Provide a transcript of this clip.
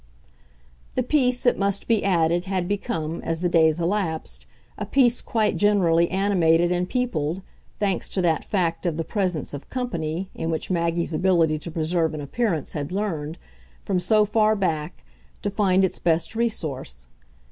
The peace, it must be added, had become, as the days elapsed, a peace quite generally animated and peopled thanks to that fact of the presence of "company" in which Maggie's ability to preserve an appearance had learned, from so far back, to find its best resource.